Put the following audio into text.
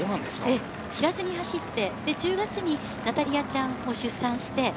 知らずに走って、１０月にナタリアちゃんを出産。